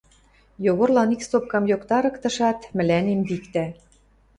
Йогорлан ик стопкам йоктарыктышат, мӹлӓнем виктӓ.